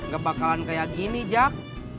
gak bakalan kayak gini jak